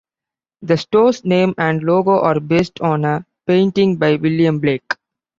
The store's name and logo are based on a painting by William Blake.